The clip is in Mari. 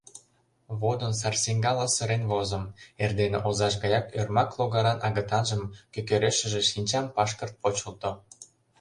Водын сарсиҥгала сырен возым, эрдене озаж гаяк ӧрмак логаран агытанжын «кӧкӧрешыже» шинчам пашкырт почылто.